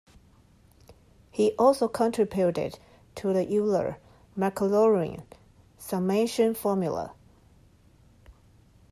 He also contributed to the Euler-Maclaurin summation formula.